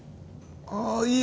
ああいいえ！